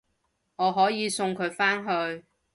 我可以送佢返去